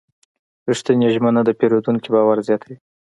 رښتینې ژمنه د پیرودونکي باور زیاتوي.